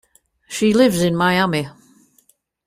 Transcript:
She lives in Miami.